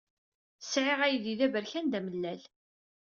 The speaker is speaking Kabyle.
Sɛiɣ aydi d aberkan, d amellal.